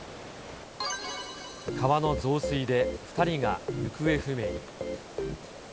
川の増水で２人が行方不明に。